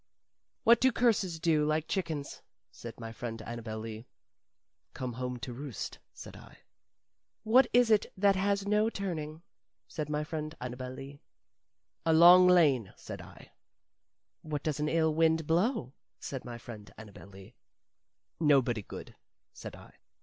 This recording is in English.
"What do curses do, like chickens?" said my friend Annabel Lee. "Come home to roost," said I. "What is it that has no turning?" said my friend Annabel Lee. "A long lane," said I. "What does an ill wind blow?" said my friend Annabel Lee. "Nobody good," said I.